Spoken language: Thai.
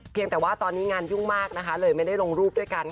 แต่ว่าตอนนี้งานยุ่งมากนะคะเลยไม่ได้ลงรูปด้วยกัน